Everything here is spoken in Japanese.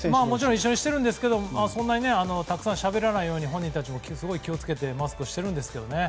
一緒にしているんですがそんなにたくさんしゃべらないように本人たちも気を付けてマスクしていますけどね。